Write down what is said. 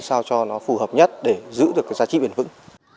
sao cho nó phù hợp nhất để giữ được cái giá trị bền vững